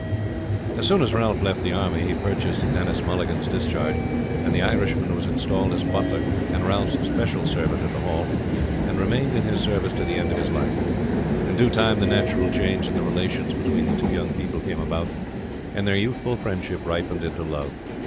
As soon as Ralph left the army he purchased Denis Mulligan's discharge, and the Irishman was installed as butler and Ralph's special servant at the Hall, and remained in his service to the end of his life. In due time the natural change in the relations between the two young people came about, and their youthful friendship ripened into love.